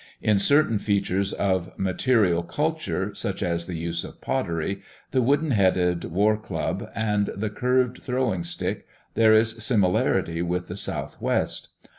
In certain features of material culture, such as the use of pottery, the wooden headed warclub, and the curved throwing stick, there is similarity with the southwest.